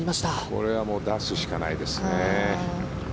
これは出すしかないですね。